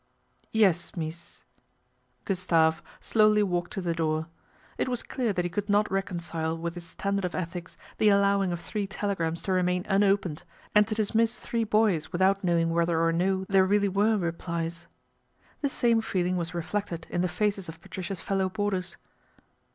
' Yes, mees !" Gustave slowly walked to the door. It was clear that he could not reconcile with his standard of ethics the allowing of three telegrams to remain unopened, and to dismiss three boys without knowing whether or no there really were replies. The same feeling was re flected in the faces of Patricia's fellow boarders.